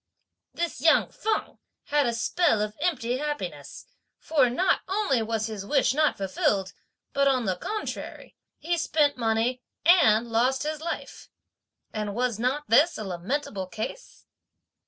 This young Feng had a spell of empty happiness; for (not only) was his wish not fulfilled, but on the contrary he spent money and lost his life; and was not this a lamentable case?"